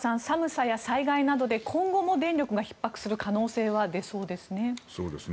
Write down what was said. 寒さや災害などで今後も電力がひっ迫する可能性は出そうですね。